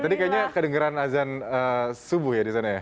tadi kayaknya kedengeran azan subuh ya di sana ya